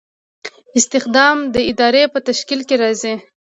استخدام د ادارې په تشکیل کې راځي.